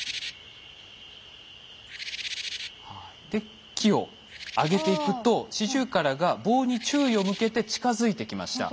で木を上げていくとシジュウカラが棒に注意を向けて近づいてきました。